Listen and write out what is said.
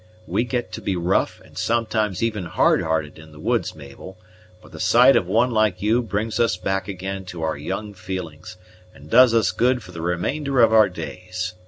We get to be rough, and sometimes even hard hearted, in the woods, Mabel; but the sight of one like you brings us back again to our young feelings, and does us good for the remainder of our days.